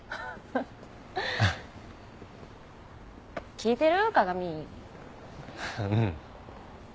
聞いてる。